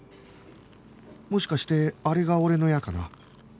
もしかしてあれが俺のやつかな？